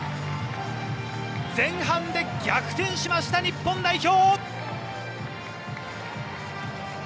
前半で逆転しました日本代表！